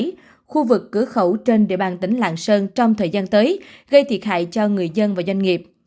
trong đó khu vực cửa khẩu trên địa bàn tỉnh lạng sơn trong thời gian tới gây thiệt hại cho người dân và doanh nghiệp